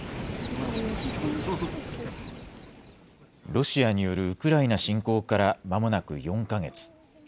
ロシアによるウクライナ侵攻からまもなく４か月。